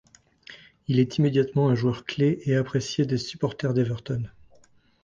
Il est immédiatement un joueur clé et apprécié des supporters d'Everton.